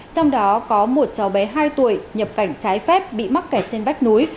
trong đó có một cháu bé hai tuổi nhập cảnh trái phép bị mắc kẹt trên vách núi